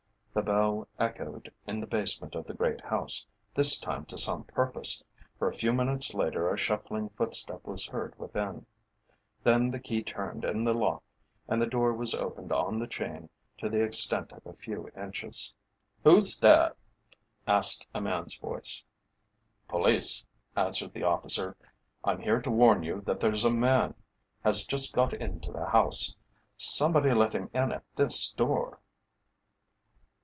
The bell echoed in the basement of the great house, this time to some purpose, for a few minutes later a shuffling footstep was heard within. Then the key turned in the lock and the door was opened on the chain to the extent of a few inches. "Who's there?" asked a man's voice. "Police," answered the officer. "I'm here to warn you that there's a man has just got into the house. Somebody let him in at this door."